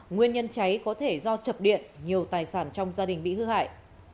nguyên nhân cháy có thể do chập điện nhiều tài sản trong gia đình bị hư hại